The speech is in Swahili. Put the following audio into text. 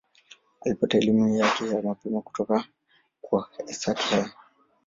Alipata elimu yake ya mapema kutoka kwa Esakhel.